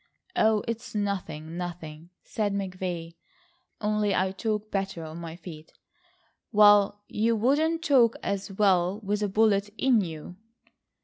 "Oh, it's nothing, nothing," said McVay, "only I talk better on my feet." "Well, you wouldn't talk as well with a bullet in you."